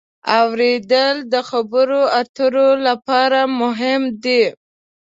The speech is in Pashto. اورېدل د خبرو اترو لپاره مهم دی.